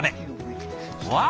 わあ！